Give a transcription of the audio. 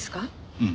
うん。